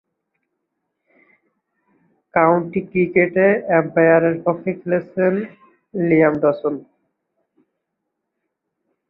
County ক্রিকেটে হ্যাম্পশায়ারের পক্ষে খেলছেন লিয়াম ডসন।